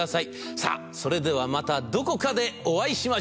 さあそれではまたどこかでお会いしましょう。